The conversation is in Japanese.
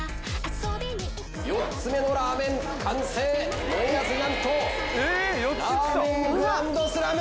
４つ目のラーメン完成。もえあず何とラーメングランドスラム！